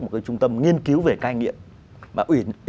một cái trung tâm nghiên cứu về cai nghiện